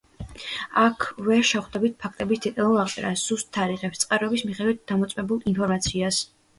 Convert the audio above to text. აქ ვერ შეხვდებით ფაქტების დეტალურ აღწერას, ზუსტ თარიღებს, წყაროების მიხედვით დამოწმებულ ინფორმაციას.